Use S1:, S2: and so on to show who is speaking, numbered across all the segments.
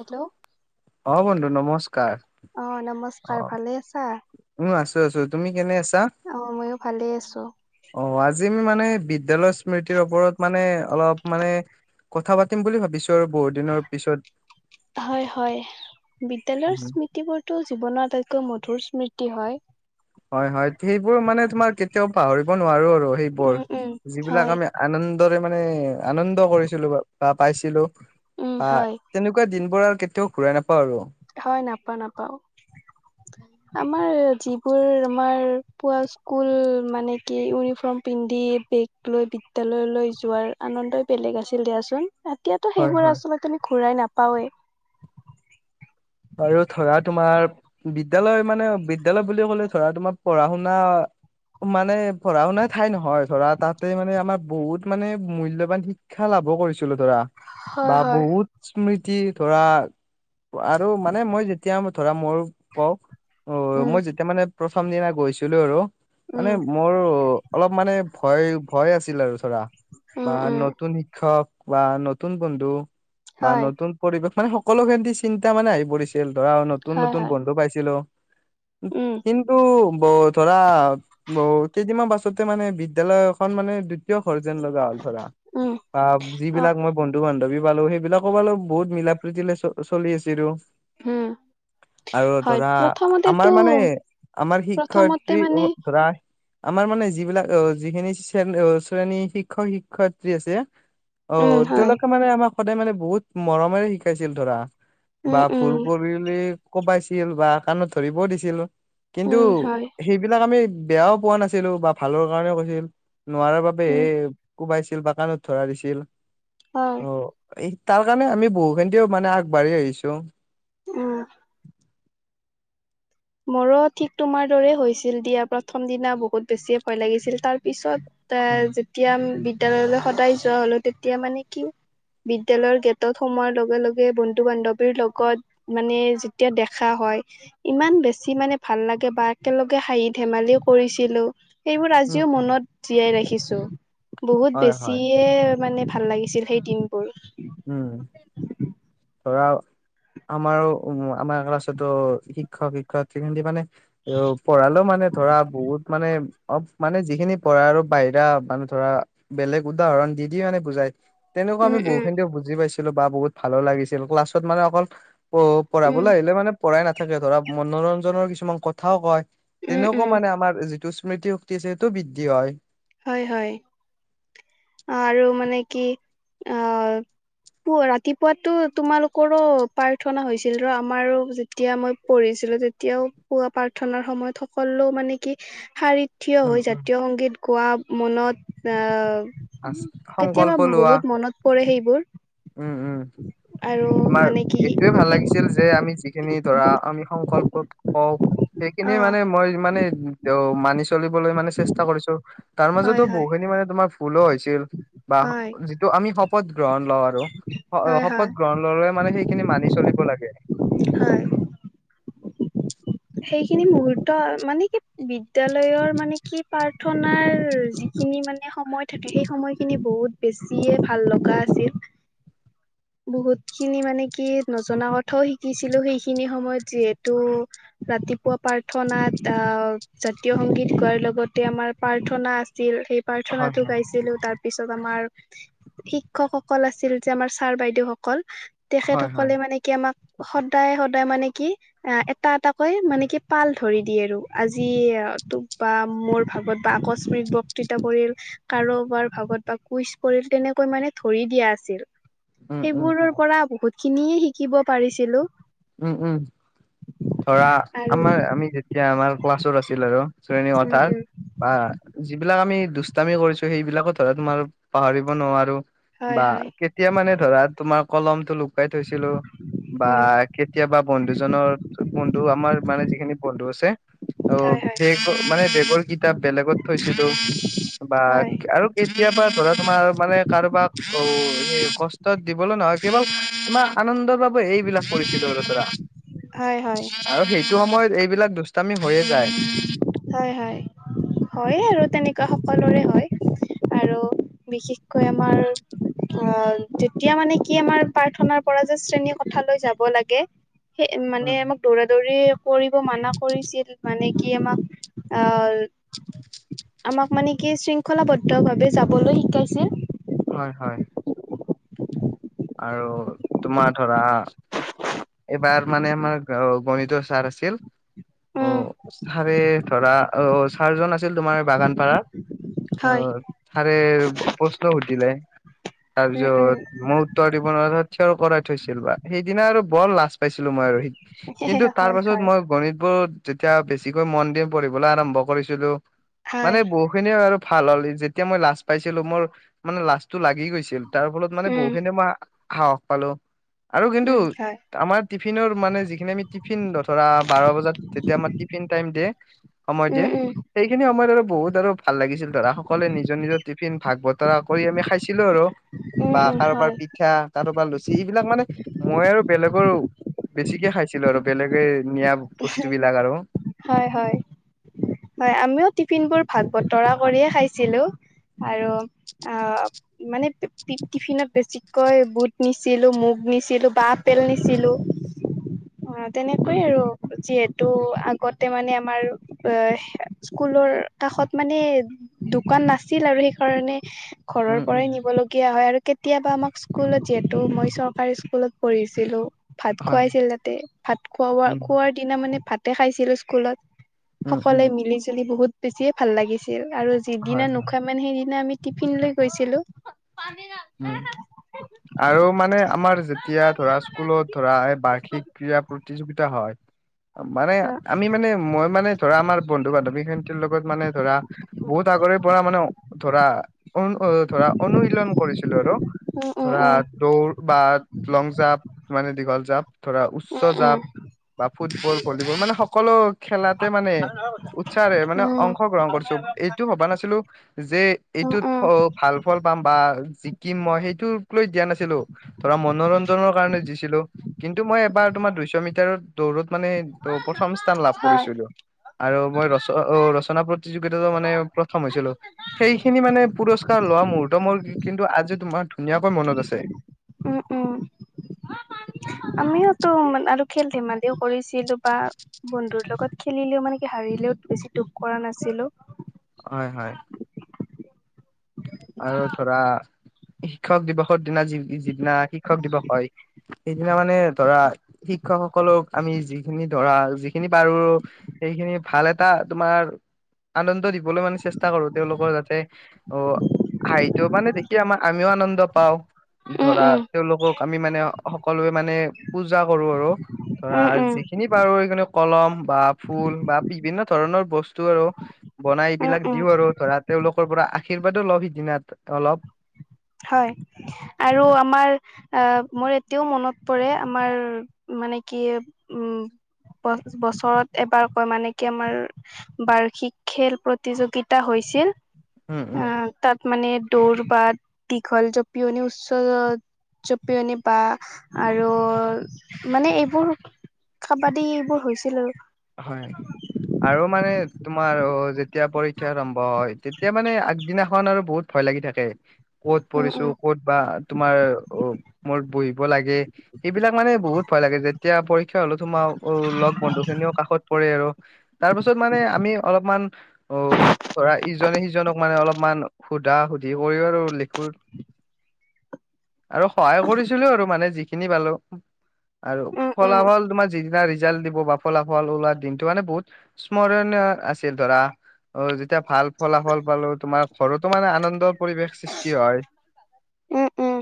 S1: Hello
S2: অ বন্ধু নমস্কাৰ।
S1: অ নমস্কাৰ ভালে আছা?
S2: ছ ছ তুমি কেনে আছ-
S1: অ মইয়ো ভালে আছো।
S2: অ আজি আমি মানে বিদ্যালয় স্মৃতিৰ ওপৰত মানে অলপ মানে কথা পাতিম বুলি ভাবিছ- বহুতদিনৰ পিছত
S1: হয় হয় বিদ্যালয়ৰ
S2: উম,
S1: স্মৃতিবোৰতো জীৱনৰ আটাইতকৈ মধু মধুৰ স্মৃতি হয়।
S2: হয় হয় সেইবোৰ মানে তোমাৰ কেতিয়াও পাহৰিব নোৱাৰো আৰু সেইবোৰ।
S1: উম উম
S2: যিবিলাক
S1: হয়
S2: আমি আনন্দৰে মানে আনন্দ কৰিছিলো বা পাইছিলো
S1: উম
S2: বা
S1: হয়
S2: তেনেকুৱা দি আৰু কেতিয়াও ঘূৰাই নাপাওঁ আৰু।
S1: হয় নাপাওঁ নাপাওঁ।
S2: [unintelligible]
S1: আমাৰ যিবোৰ আমাৰ পোৱা স্কুল মানে কি ইউনিফৰ্ম পিন্ধি বেগ লৈ বিদ্যালয়লৈ যোৱাৰ আনন্দই বেলেগ আছিল দিয়াচোন। এতিয়াতো
S2: হয়
S1: সেইবোৰ
S2: হয়
S1: আচলতে আমি ঘূৰাই নাপাওৱেই।
S2: আৰু ধৰা তোমাৰ বিদ্যালয় মানে বিদ্যয়ালয় বুলি ক'লে ধৰা তোমাৰ পঢ়া -শুনা মানে পঢ়া -শুনা ঠাই নহয় ধৰা তাতে মানে আমাৰ বহুত মানে মূল্যবান শিক্ষা লাভো কৰিছ ছিলো ধৰা
S1: হয়
S2: বা
S1: হয়
S2: বহুত স্মৃতি ধৰা আ ত মানে মই যেতিয়া ধৰা মোৰ কওঁ অ
S1: উম
S2: মই যেতিয়া মানে প্ৰথম দিনা গৈছিলোঁ আৰু মানে
S1: উম
S2: মোৰ অলপ মানে ভয় ভয় আছিল আৰু। বা
S1: উম উম
S2: নতুন শিক্ষক বা নতুন বন্ধু বা
S1: হয়
S2: নতুন পৰিৱেশ। মানে সকলোখিন চিন্তা মানে আহি পৰিছিল ধৰা নতুন
S1: হয়
S2: নতুন
S1: হয়
S2: বন্ধু পাইছিলোঁ।
S1: উম
S2: কিন্তু ব ধৰা ব কেইদিনমান পাছতে মানে বিদ্যালয় এখন মানে কিয় ঘৰ যেন লগা হ'ল ধৰা
S1: উম
S2: বা
S1: অ
S2: যিবিলাক মই বন্ধু-বান্ধৱী পালো সেইবিলাকো পালোঁ বহুত মিলা প্ৰীতিলে চ চলি আছিলোঁ।
S1: উম!
S2: আৰু
S1: হয়
S2: ধৰা
S1: প্ৰথমতেতো
S2: আমাৰ মানে আমাৰ
S1: প্ৰথমতে
S2: শিক্ষয়িত্ৰী
S1: মানে
S2: ধৰা আমাৰ মানে যিবিলাক আহ যিখিনি শ শ্ৰেণী শিক্ষক- শিক্ষয়িত্ৰী আছে। অ
S1: উম হয়
S2: তেওঁলোকে মানে আমাক সদায় মানে বহুত মৰমেৰে শিকাইছিল ধৰা। বা
S1: উম
S2: ভুল
S1: উম
S2: কৰিলে কুবাইছিল বা কাণত ধৰিব দিছিল। কিন্তু
S1: উম হয়
S2: সেইবিলাক আমি বেয়াও পোৱা নাছিলোঁ বা ভালৰ কাৰণেও কৈছিল। নোৱাৰাৰ বাবেহে
S1: উম
S2: কোবাইছিল বা কানত ধৰা দিছিল
S1: হয়
S2: অ এই তাৰ কাৰণে আমি বহু খিনিও মানে আগবাঢ়ি আহিছোঁ।
S1: উম! মোৰো ঠিক তোমাৰ দৰে হৈছিল দিয়া প্ৰথম দিনা বহুত বেছিয়ে ভয় লাগিছিল তাৰ পিছত। এ যেতিয়া বিদ্যালয়লৈ সদায় যোৱা হলো তেতিয়া মানে কি বিদ্যালয়ৰ গেটত সোমোৱাৰ লগে লগে বন্ধু- বান্ধৱীৰ লগত মানে যেতিয়া দেখা হয় ইমান বেছি মানে ভাল লাগে বা একেলগে হাঁহি ধেমালিও কৰিছিলোঁ। সেইবোৰ
S2: উম।
S1: আজিও মনত জীয়াই ৰাখিছো বহুত
S2: হয় হয়
S1: বেছিয়ে মানে ভাল লাগিছিল সেই দিনবোৰ।
S2: উম ধৰা আমাৰো উ আমাৰ ক্লাছতো শিক্ষক-শিক্ষয়িত্ৰী মানে এ পঢ়ালেও মানে ধৰা বহুত মানে অ মানে যিখিনি পঢ়া আৰু বাহিৰা মানুহ ধৰা বেলেগ উদাহৰণ দি দি মানে বুজাই। তেনেকুৱা আমি
S1: উম উম
S2: বহুখিনিতেও বুজি পাইছিলোঁ বা বহুত ভালো লাগিছিল ক্লাছত মানে অকল অ
S1: উম
S2: পঢ়াবলৈ আহিলে মানে পঢ়াই নাথাকে ধৰা মনোৰঞ্জনৰ কিছুমান কথাও কয়।
S1: উম
S2: তেনেকুৱা
S1: উম
S2: মানে আমাৰ যিটো স্মৃতি শক্তি আছে সেইটো বৃদ্ধি হয়।
S1: হয় হয়, আৰু মানে কি আহ ৰাতিপুৱাতো তোমালোকৰো প্ৰাৰ্থনা হৈছিল ৰ আমাৰো যেতিয়া মই পঢ়িছো ছিলো তেতিয়াও পুৱা প্ৰাৰ্থনাৰ সময়ত সকলো মানে কি শাৰী থিয়
S2: উম
S1: হৈ
S2: উম
S1: জাতীয় সংগীত গোৱা মনত আহ
S2: আ
S1: কেতিয়াবা
S2: সংকল্প লোৱা
S1: বহুত মনত পৰে সেই
S2: উম উম তোমাৰ
S1: মানে কি
S2: এইটোয়ে ভাল
S1: শিক
S2: লাগিছিল যে আমি যিখিনি ধৰা আমি সংকল্প কওঁ
S1: অ
S2: সেইখিনিয়ে মানে মই মানে তেওঁক মানি চলিবলৈ মানে চেষ্টা কৰিছো তাৰ
S1: হয়
S2: মাজতো বহু
S1: হয়
S2: খিনি মানে তোমাৰ ভুলো হৈছে মি বা
S1: হয়
S2: যিটো আমি শপত গ্ৰহণ লওঁ আৰু
S1: হয়
S2: শপত
S1: হয়
S2: গ্ৰহণ ললে মানে সেইখিনি মানি চলিব লাগে [inaudible]
S1: হয়
S2: [unintelligible]
S1: সেইখিনি মূহুৰ্ত মানে কি বিদ্যয়ালয়ৰ মানে কি প্ৰাৰ্থনাৰ যিখিনি। মানে সময় থাকে সেই সময়খিনি বহুত বেছিয়ে ভাল লগা আছিল।
S2: [inaudible] [unintelligible]
S1: বহুত খিনি মানে কি নজনা কথাও শিকিছিলো সেইখিনি সময়ত যিহেতু। ৰাতিপুৱা প্ৰাৰ্থনাত আহ জাতীয় সংগীত গোৱাৰ লগতে আমাৰ প্ৰাৰ্থনা আছিল। সেই
S2: হয়
S1: প্ৰাৰ্থনাটো
S2: হয়
S1: গাইছিলো তাৰ পিছত আমাৰ শিক্ষকসকল আছিল যে আমাৰ ছাৰ বাইদেউসকল
S2: হয় হয়
S1: তেখেতসকলে মানে কি আমাক। সদায় সদায় মানে কি অ এটা এটাকৈ মানে কি পাল ধৰি দিয়ে আৰু আজি বা মোৰ ভাগত বা আকস্মিক বক্তৃতা পৰিল কাৰোবাৰ ভাগত বা কুইচ পৰিল তেনেকৈ মানে ধৰি দিয়া আছিল।
S2: উম উম
S1: সেইবোৰৰ পৰা বহুত খিনিয়ে শিকিব পাৰিছিলো।
S2: উম উম। ধৰা
S1: আৰু
S2: আমাৰ আমি যেতিয়া আমাৰ ক্লাছত আছিল আৰু শ্ৰেণীৰ
S1: উম
S2: কথাৰ।
S1: উম
S2: বা যিবিলাক আমি দুষ্টামি কৰিছো সেইবিলাকো ধৰা তোমাৰ পাহৰিব নোৱাৰো। বা
S1: হয় হয়
S2: কেতিয়া মানে ধৰা তোমাৰ কলমতটো লুকাই থৈছিলো বা।
S1: উম
S2: কেতিয়াবা বন্ধু জনৰ বন্ধু আমাৰ মানে যিখিনি বন্ধু আছে। অঁ
S1: হয় হয়
S2: বেগ মানে বেগৰ কিতাপ বেলেগত থৈছিলো। বা
S1: হয়
S2: আৰু কেতিয়াৰ বা ঘৰত তোমাৰ মানে কাৰোবাক কষ্টত দিবলৈ নহয় কে তোমাৰ আনন্দৰ বা এইবিলাক কৰিছিলো ধৰা
S1: হয় হয়
S2: আৰু সেইটো সময়ত এইবিলাক দুষ্টামি হৈয়ে যায়
S1: হয়, হয়, হয় আৰু তেনেকুৱা সকলোৰে হয়। আৰু বিশেষকৈ আমাৰ অঁ তেতিয়া মানে কি আমাৰ প্ৰাৰ্থনাৰ পৰা যে শ্ৰেণীৰ কথালৈ যাব লাগে। সেই মানে
S2: উম
S1: মাক দৌৰা দৌৰি কৰিব মানা কৰিছিল। মানে কি আমাক আহঁ। আমাক মানে কি শৃংখলাবদ্ধ ভাৱে যাবলৈ শিকাইছিল।
S2: হয় হয় আৰু তোমাৰ ধৰা এইবাৰ মানে আমাৰ গণিত ছাৰ আছিল। অ
S1: উম।
S2: ছাৰে ধৰা অ চাৰজন আছিল তোমাৰ বাগান পাৰা।
S1: হয়
S2: অঁ ছাৰে প্ৰশ্ন সুধিলে
S1: উম
S2: তাৰপিছত
S1: উম
S2: মই কোৱাৰ থিয়ৰ কৰাই থৈছিল বা সেইদিনা আৰু বৰ লাজ পাইছিলো মই আৰু। কিন্তু তাৰ
S1: হয়
S2: পাছত
S1: হয়
S2: মই গণিতবোৰত যেতিয়া বেছিকৈ মন দি পঢ়িবলৈ আৰম্ভ কৰিছিলো। মানে
S1: হয়
S2: বহুখিনিয়ে আৰু ভাল হ'ল যেতিয়া মই লাজ পাইছিলো মোৰ মানে লাজটো লাগি গৈছিল তাৰ ফলত মানে
S1: উম
S2: বহুত সাহস পালো আৰু কিন্তু
S1: উম হয়।
S2: আমাৰ টিফিনৰ মানে যিখিনি আমি টিফিন ধৰা বাৰ বজাত যেতিয়া আমাৰ টিফিন টাইম দিয়ে। সমমাৰ
S1: উম
S2: দিয়
S1: উম
S2: সেইখিনি আমাৰ আৰু বহুত আৰু ভাল লাগিছিল ধৰা সকলোৱে নিজৰ নিজৰ টিফিন ভাগ বতৰা কৰি আমি খাইছিলো আৰু
S1: উম
S2: বা
S1: উম।
S2: কাৰোবাৰ
S1: হয়
S2: পিঠা কাৰোবাৰ পৰা লুচি- সেবিলাক মানে মই আৰু বেলেগৰ বেছিকে খাইছিলো আৰু বেলেগে নিয়া- বস্তু বিলাক আৰু
S1: হয় হয়। হয় আমিও টিফিনবোৰ ভাগ বতৰা কৰিয়ে খাইছিলো। আৰু অঁ মানে টিফিনত বেছিকৈ বুট নিছিলো। মোক- নিছিলো বা আপেল নিছিলো।
S2: [unintelligible]
S1: অঁ
S2: উম
S1: তেনেকুৱাই আৰু যিহেতু আগতে মানে আমাৰ অঁ- স্কুলৰ কাষত মানে দোকান নাছিল আৰু সেইকাৰণে- ঘৰৰ
S2: উম উম
S1: পৰাই নিবলগীয়া হয় আৰু। কেতিয়াবা আমাক স্কুলত যিহেতু মই চৰকাৰী স্কুলত পঢ়িছিলো- ভাত
S2: হয়
S1: খোৱাইছিল তাতে। ভাত খোৱা
S2: উম
S1: খোৱাৰ দিনা মানে ভাতে খাইছিলো স্কুলত।
S2: উম উম
S1: অকলে মিলি জুলি বহুত বেছিয়ে ভাল লাগিছিল আৰু যিদিনা
S2: হয় হয়
S1: নোখোৱা মানে সেইদিনা আমি- টিফিন লৈ গৈছিলোঁ।
S2: উম। আৰু মানে আমাৰ যেতিয়া ধৰা স্কুলত ধৰা এই বাৰ্ষিক ক্ৰিয়া প্ৰতিযোগিতা হয়। মানে
S1: অ
S2: আমি মানে মই মানে ধৰা আমাৰ বন্ধু বান্ধৱী সেনতৰ লগত মানে ধৰা বহুত আগৰে- পৰা মানে ধৰা- ধৰা অনুশীলন কৰিছ- আৰু
S1: উম উম
S2: ধৰা দৌৰ বা লং জাপ মানে দীঘল জাপ। ধৰা
S1: উম
S2: উচ্চ
S1: উম
S2: জাপ বা ফুটবল ভলীবল মানে সকলো খেলাতে মানে- উৎসাহ মানে
S1: উম
S2: অংশগ্ৰহণ কৰিছো
S1: উম
S2: এইটো ভবা নাছিলো যে
S1: উম
S2: এইটোত
S1: উম
S2: ভাল ফল- পাম বা জিকিম মই সেইটোক লৈ দিয়া নাছিলো। ধৰা মনোৰঞ্জনৰ কাৰণে দিছিলো। কিন্তু মই এবাৰ তোমাৰ দুইশ মিটাৰত দৌৰত- মানে ত প্ৰথম স্থান লাভ
S1: হয়
S2: কৰিছিলো আৰু মই ৰচনা অঁ ৰচনা - প্ৰতিযোগিতাতো মানে প্ৰথম হৈছিলো। সেইখিনি মানে পুৰস্কাৰ লোৱা মুহূৰ্ত মোৰ কিন্তু আজি- তোমাৰ ধুনীয়াকৈ মনত আছে।
S1: উম উম। আমিওতো আৰু খেল ধেমালিও কৰিছিলো বা বন্ধুৰ লগত খেলিলেও মানে কি হাৰিলো- ৰেলেত বেছি দুখ কৰা নাছিলোঁ।
S2: হয় হয়। আৰু ধৰা- শিক্ষক দিৱসৰ দিনা যি যিদিনা শিক্ষক দিৱস হয় সেইদিনা মানে ধৰা - শিক্ষকসকলক আমি যিখিনি ধৰা যিখিনি পাৰো সেইখিনি ভাল এটা তোমাৰ- আনন্দ দিবলৈ মানে চেষ্টা কৰো তেওঁলোকৰ যাতে- অ হাঁহিটো মানে দেখি আমাৰ আমিও আনন্দ পাও।
S1: উম
S2: ধৰা
S1: উম
S2: তেওঁলোকক আমি মানে সকলোৱে মানে- পূজা কৰো আৰু ধৰা
S1: উম উম
S2: যিখিনি পাৰো সিখিনি কলম বা ফুল বা বিভিন্ন- ধৰণৰ বস্তু আৰু বনাই
S1: উম
S2: এইবিলাক
S1: উম
S2: দিওঁ আৰু ধৰা তেওঁলোকৰ পৰা- আশীৰ্বাদো লভ সিদিনা অলপ।
S1: হয় আৰু আমাৰ অঁ মোৰ এতিয়াও মনত পৰে আমাৰ- মানে কি উম- বছৰত এবাৰ কয় মানে কি আমাৰ বাৰ্ষিক খেল প্ৰতিযোগিতা হৈ- ছিল,
S2: উম উম
S1: আহ তাত মানে দৌৰ বা- দীখল জপিওনি উচ্চ- জপিয়নি বা আৰু মানে এইবোৰ- কাবাডী এইবোৰ হৈছিল আৰু।
S2: হয় আৰু মানে- তোমাৰ যেতিয়া পৰীক্ষা আৰম্ভ হয় তেতিয়া মানে আগদিনাখন আৰু বহুত ভয় লাগি থাকে। ক'ত
S1: উম
S2: পঢ়িছো
S1: উম
S2: ক'ত বা তোমাৰ অ মোৰ বহিব লাগে। সবিলাক মানে বহুত ভয় লাগে যেতিয়া পৰীক্ষা হলেও তোমাৰ লগ বন্ধু খিনিয়ও। আকাশত পৰে আৰু তাৰ পাছত মানে আমি অলপমান অ ধৰা ইজনে সিজনক মানে। অলপমান সুধা সুধি কৰি আৰু লিখো। আৰু সহায় কৰিছিলো আৰু মানে যিখিনি। যিনি পালো আৰু
S1: উম উম
S2: ফলাফল তোমাৰ যিদিনা ৰিজাল্ট দিব বা ফলাল। ফল ওলোৱা দিনটো মানে বহুত স্মৰণীয় আছিল ধৰা। অ যেতিয়া ভাল ফলাফল পালো তোমাৰ ঘৰতো মানে আনন্দ পৰিৱেশ সৃষ্টি হয়।
S1: উম উম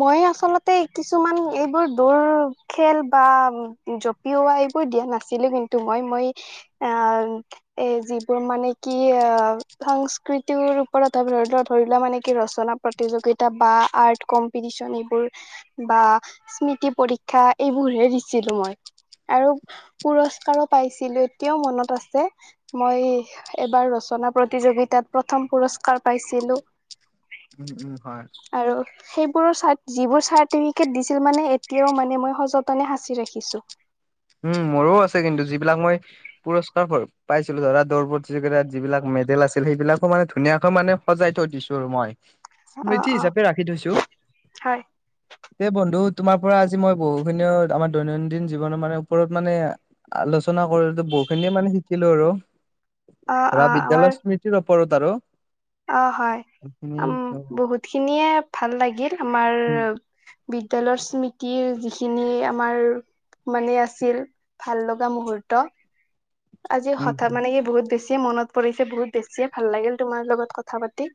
S1: মই আচলতে কিছুমান এইবোৰ দৌৰ খেল বা জপিওৱা এইবোৰ দিয়া নাছিল। কিন্তু মই মই এ যিবোৰ মানে কি সংস্কৃ তিওৰো কৰা ধৰিলোৱা ধৰিলোৱা মানে কি ৰচনা প্ৰতিযোগিতা বা আৰ্ট কম্পিটিছন এইবোৰ অ স্মৃতি পৰীক্ষা এইবোৰহে দিছিলো মই। আৰু পুৰস্কাৰো পাইছিলো এতিয়াও মনত আছে মই এবাৰ ৰচনা প্ৰতিযোগিতাত প্ৰথম পুৰস্কাৰ পাইছিলো।
S2: উম উম হয়।
S1: সেইবোৰো চাৰ্ট যিবোৰ চাৰ্ট এনেকে দিছিল মানে এতিয়াও ম মই সযতনে সচি ৰাখিছো।
S2: উম মোৰো আছে কিন্তু যিবিলাক মই পুৰস্কাৰ পাইছিলো ধৰা দৌৰ প্ৰতিযোগিতাত যিবিলাক মেডেল আছিল সেইবিলাকো মানে ধুনীয়াকৈ মানে সজাই থৈ দিছো আৰু মই
S1: অ',
S2: স্মৃতি
S1: অ',
S2: হিচাপে ৰাখি থৈছো
S1: হয়
S2: এই বন্ধু তোমাৰ পৰা আজি মই বহুখিনিও আমাৰ দৈনন্দিন জীৱনত মানে ওপৰত মানে আলোচনা কৰিলো বহুতখিনিয়ে মানে শিকিলো আৰু।
S1: অ',
S2: ধৰা
S1: অ', আমাৰ
S2: বিদ্যালয় স্মৃতিৰ ওপৰত আৰু।
S1: অ হয়
S2: এইখিনি
S1: উ বহুত খিনিয়ে ভাল লাগিল আমাৰ
S2: উম
S1: বিদ্যালয়ৰ স্মৃতিখিনি আমাৰ মানে আছিল ভাল লগা মুহূৰ্ত আজি
S2: উম
S1: হঠাৎ মানে কি বহুত বেছি মনত পৰিছে বহুত বেছিয়ে ভাল লাগিল তোমাৰ লগত কথা পাতি।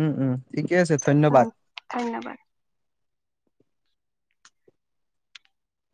S2: উম উম ঠিকে আছে ধন্যবাদ।
S1: অ', ধন্যবাদ।